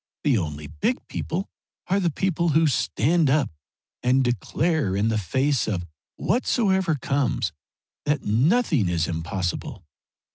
The only big people are the people who stand up and declare in the face of whatsoever comes that nothing is impossible.